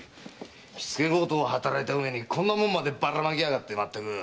火付け強盗を働いたうえにこんな物までばらまきやがって！